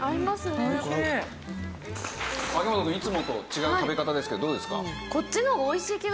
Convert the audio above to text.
秋元くんいつもと違う食べ方ですけどどうですか？